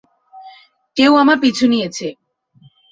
কেউ আমার পিছু নিয়েছে।